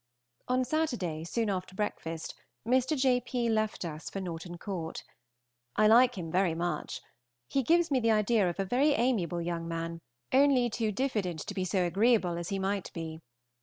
On Saturday, soon after breakfast, Mr. J. P. left us for Norton Court. I like him very much. He gives me the idea of a very amiable young man, only too diffident to be so agreeable as he might be.